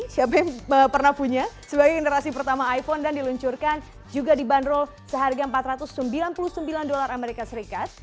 siapa yang pernah punya sebagai generasi pertama iphone dan diluncurkan juga dibanderol seharga empat ratus sembilan puluh sembilan dolar amerika serikat